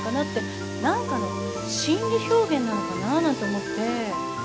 何かの心理表現なのかななんて思って。